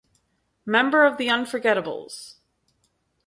Member of "The Unforgettable s."